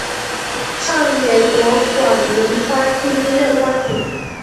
上野国馆林藩第一任藩主。